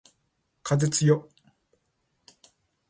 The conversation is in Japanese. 風つよ